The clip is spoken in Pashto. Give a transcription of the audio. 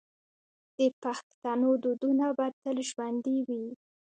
د پښتنو دودونه به تل ژوندي وي.